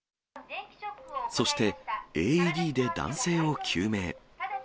そして、ＡＥＤで男性を救命。